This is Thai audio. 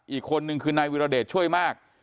อีกคนนึงคือนายวิรเดชช่วยมาก